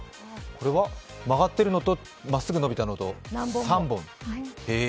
これは曲がってるのとまっすぐ伸びたのと３本？へえ。